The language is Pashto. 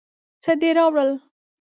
څه دې راوړل؟